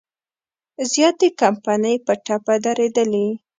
زیاتې کمپنۍ په ټپه درېدلي.